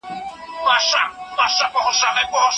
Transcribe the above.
خپلوان که پرې شي نه پرې کيږي.